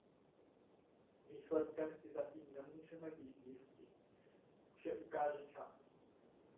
Výsledkem si zatím nemůžeme být jisti, vše ukáže čas.